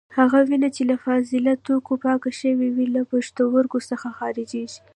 هغه وینه چې له فاضله توکو پاکه شوې وي له پښتورګو څخه خارجېږي.